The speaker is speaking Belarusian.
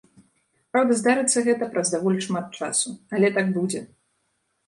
Праўда, здарыцца гэта праз даволі шмат часу, але так будзе.